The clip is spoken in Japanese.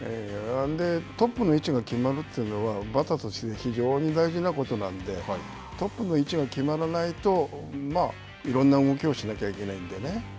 トップの位置が決まるというのはバッターとして非常に大事なことなんでトップの位置が決まらないといろんな動きをしなきゃいけないんでね。